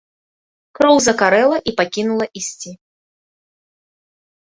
Кроў закарэла і пакінула ісці.